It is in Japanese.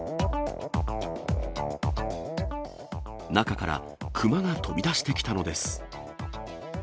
中から熊が飛び出してきたのです。